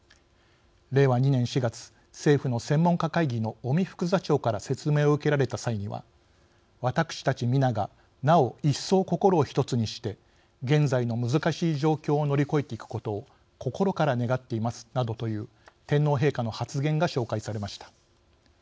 令和２年４月政府の専門家会議の尾身副座長から説明を受けられた際には「私たち皆がなお一層、心を一つにして現在の難しい状況を乗り越えていくことを心から願っています」などという天皇陛下の発言が紹介されました。